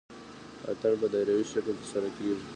اتن په دایروي شکل ترسره کیږي.